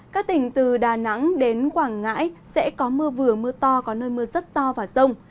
các tỉnh từ đà nẵng đến quảng ngãi sẽ có mưa vừa mưa to có nơi mưa rất to và rông